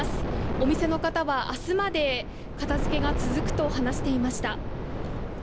お店の方は明日まで片付けが続くと話していました。